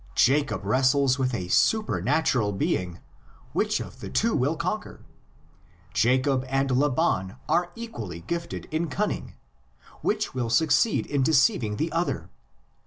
Jacob wrestles with a supernatural being; which of the two will conquer? Jacob and Laban are equally gifted in cunning; which will succeed in deceiving the other?